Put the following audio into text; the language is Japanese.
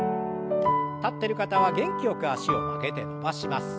立ってる方は元気よく脚を曲げて伸ばします。